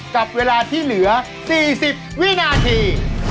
กับเวลาที่เหลือ๔๐วินาที